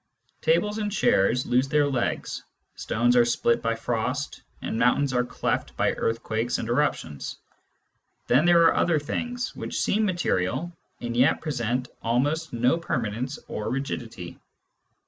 Tables and chairs lose their legs, stones are split by frost, and mountains are cleft by earthquakes and eruptions. Then there are other things, which seem material, and yet present almost no permanence or rigidity.